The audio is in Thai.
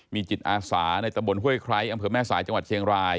มีจิตอาสาในตำบลห้วยไคร้อำเภอแม่สายจังหวัดเชียงราย